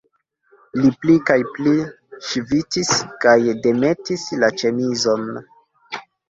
Li pli kaj pli ŝvitis kaj demetis la ĉemizon.